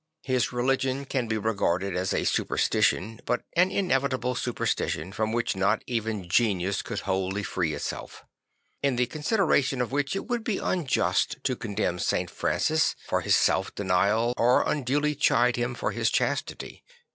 His religion can be regarded as a superstition, but an inevitable superstition, from which not even genius could wholly free itself; in the consider a tion of which it would be unjust to condemn St. Francis for his self denial or unduly chide him for his chastity.